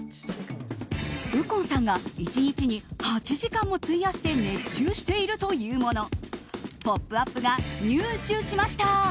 右近さんが１日に８時間も費やして熱中しているというもの「ポップＵＰ！」が入手しました。